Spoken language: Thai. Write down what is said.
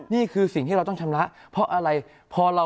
นี่คือสิ่งที่เราต้องชำระ